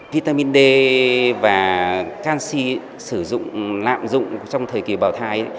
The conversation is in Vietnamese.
vitamin d và canxi sử dụng lạm dụng trong thời kỳ bảo thai